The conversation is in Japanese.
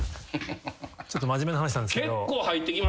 ちょっと真面目な話なんですけど。